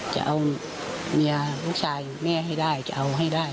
จะเอาเมียลูกชายแม่ให้ได้จะเอาให้ได้